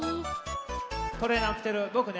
トレーナーきてるぼくね。